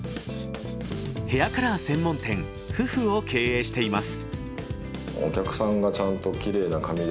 ヘアカラー専門店ｆｕｆｕを経営しています